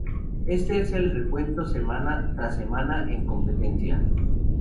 Este es el recuento semana tras semana en competencia.